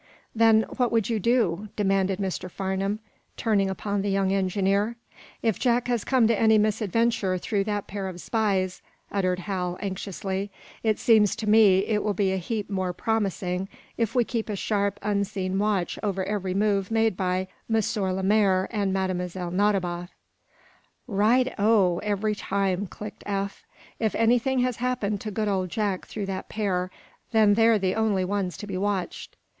"Then what would you do?" demanded Mr. Farnum, turning upon the young engineer. "If Jack has come to any misadventure through that pair of spies," uttered Hal, anxiously, "it seems to me it will be a heap more promising if we keep a sharp, unseen watch over every move made by M. Lemaire and Mlle. Nadiboff." "Right o, every time!" clicked Eph. "If anything has happened to good old Jack through that pair, then they're the only ones to be watched!"